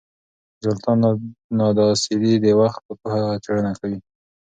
زولتان ناداسدي د وخت په پوهه څېړنه کوي.